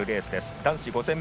男子５０００